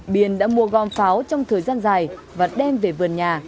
biên đã mua gom pháo trong thời gian dài và đem về vườn nhà